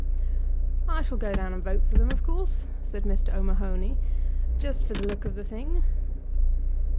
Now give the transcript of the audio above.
"I shall go down and vote for them of course," said Mr. O'Mahony, "just for the look of the thing."